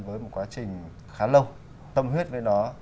với một quá trình khá lâu tâm huyết với đó